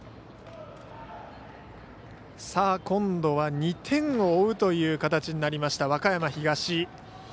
今度は２点を追うという形になりました和歌山東。